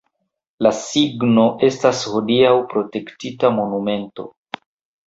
La signo estas hodiaŭ protektita monumento.